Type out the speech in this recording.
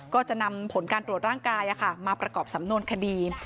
ก็จะนำผลการตรวจร่างกายมาประกอบสำนวนคดี